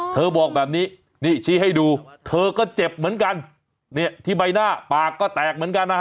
บอกแบบนี้นี่ชี้ให้ดูเธอก็เจ็บเหมือนกันเนี่ยที่ใบหน้าปากก็แตกเหมือนกันนะฮะ